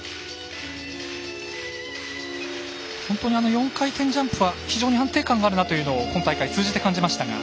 本当に４回転ジャンプは非常に安定感があるなと今大会通じて感じましたが。